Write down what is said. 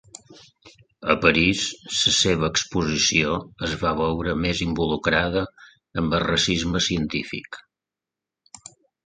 A París, la seva exposició es va veure més involucrada amb el racisme científic.